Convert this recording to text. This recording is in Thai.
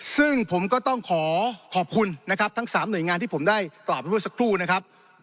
ซึ่งผมก็ต้องขอขอบคุณนะครับทั้ง๓หน่วยงานที่ผมได้กล่าวไปเมื่อสักครู่นะครับ